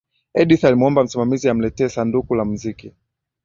edith alimuomba msimamizi amletee sanduku la muziki